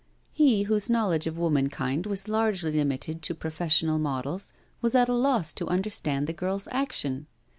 He, whose knowledge of womankind was largely limited to professional models, was at a loss to understand the girl's action.